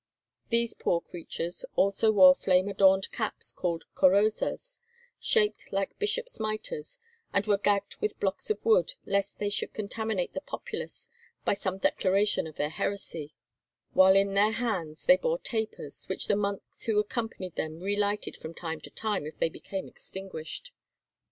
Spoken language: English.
These poor creatures wore also flame adorned caps called corozas, shaped like bishops' mitres, and were gagged with blocks of wood, lest they should contaminate the populace by some declaration of their heresy, while in their hands they bore tapers, which the monks who accompanied them relighted from time to time if they became extinguished.